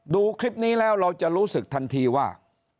ดูคลิปนี้แล้วเราจะรู้สึกทันทีว่า